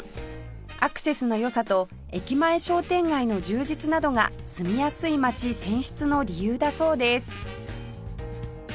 アクセスの良さと駅前商店街の充実などが住みやすい街選出の理由だそうです